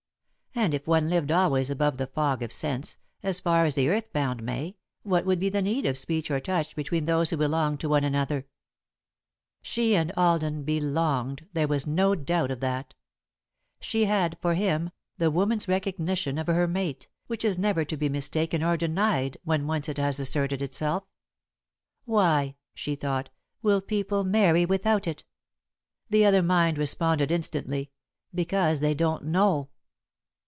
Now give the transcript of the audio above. And, if one lived always above the fog of sense, as far as the earth bound may, what would be the need of speech or touch between those who belonged to one another? [Sidenote: Two Views] She and Alden "belonged," there was no doubt of that. She had, for him, the woman's recognition of her mate, which is never to be mistaken or denied when once it has asserted itself. "Why," she thought, "will people marry without it?" The other mind responded instantly: "Because they don't know."